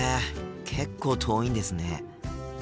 結構遠いんですね。